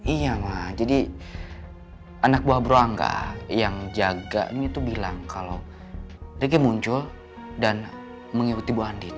iya ma jadi anak buah bro angga yang jaga ini tuh bilang kalau riki muncul dan mengikuti bu andien